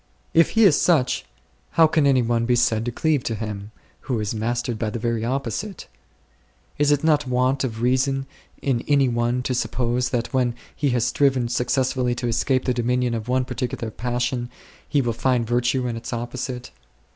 If He is such, how can any one be said to cleave to Him, who is mastered by the very opposite ? Is it not want of reason in any one to suppose that when he has striven successfully to escape the dominion of one particular passion, he will find virtue in its opposite